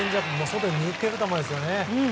外に抜ける球ですね。